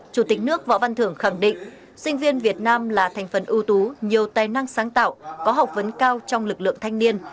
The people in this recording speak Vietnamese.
chủ tịch nước võ văn thưởng khẳng định sinh viên việt nam là thành phần ưu tú nhiều tài năng sáng tạo có học vấn cao trong lực lượng thanh niên